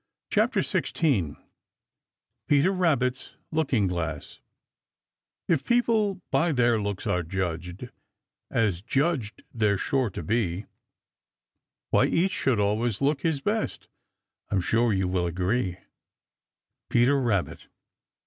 CHAPTER XVI PETER RABBIT'S LOOKING GLASS If people by their looks are judged, As judged they're sure to be, Why each should always look his best, I'm sure you will agree. Peter Rabbit.